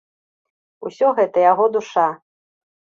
Усё гэта яго душа.